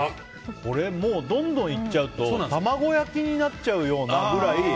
これどんどんいっちゃうと卵焼きになっちゃうくらい。